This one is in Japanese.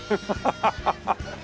ハハハハハ！